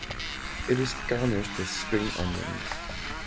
It is garnished with spring onions.